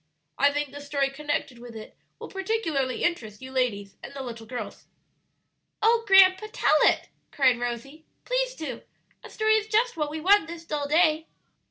I think the story connected with it will particularly interest you ladies and the little girls." "Oh, grandpa, tell it!" cried Rosie; "please do; a story is just what we want this dull day."